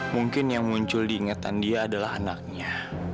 mungkin yang muncul diingetan dia adalah anaknya